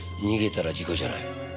逃げたら事故じゃない。